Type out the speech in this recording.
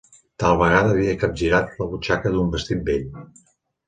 Tal vegada havia capgirat la butxaca d'un vestit vell.